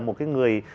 một cái người